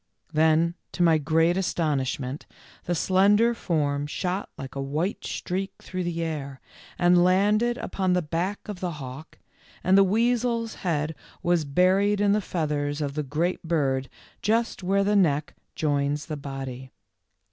Then to my great astonishment the slender form shot like a white streak through the air, and landed upon the back of the hawk, and the weasel's head was buried in the feathers of the great bird just where the neck joins the body.